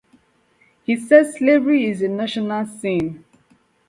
He said slavery is a "national sin".